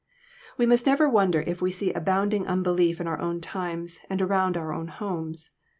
We must never wonder if we see abounding unbelief in our own times, and around our own homes.